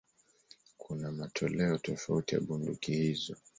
Kuna matoleo tofauti ya bunduki hizo.